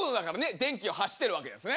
電気を発してるわけですね。